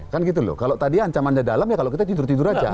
kan gitu loh kalau tadi ancamannya dalam ya kalau kita tidur tidur aja